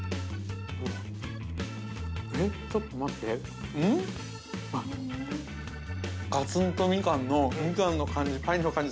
◆ちょっと待って、ガツン、とみかんのみかんの感じ、パインの感じ